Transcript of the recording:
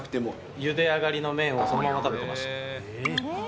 ゆで上がりの麺をそのまま食べてました。